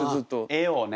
絵をね。